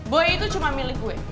boy itu cuma milik gue